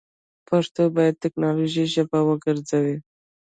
پښتو باید دټیکنالوژۍ ژبه وګرځوو.